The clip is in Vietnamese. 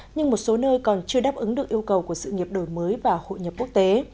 nhưng một số nơi còn chưa đáp ứng được yêu cầu của sự nghiệp đổi mới và hội nhập quốc tế